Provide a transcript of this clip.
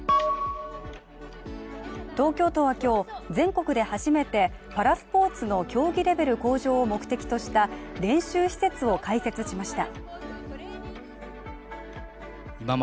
東京都は今日、全国で初めてパラスポーツの競技レベル向上を目的とした練習施設を開設しました。